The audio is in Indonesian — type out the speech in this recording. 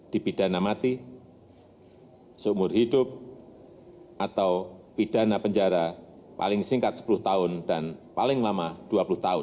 dipidana mati seumur hidup atau pidana penjara paling singkat sepuluh tahun dan paling lama dua puluh tahun